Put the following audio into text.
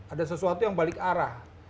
ada sesuatu yang balik arah